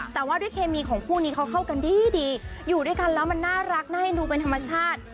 แต่ว่าด้วยเคมีของคู่นี้เขาเข้ากันดีอยู่ด้วยกันแล้วมันน่ารักน่าให้ดูเป็นธรรมชาติ